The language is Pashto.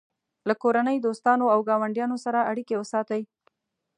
له کورنۍ، دوستانو او ګاونډیانو سره اړیکې وساتئ.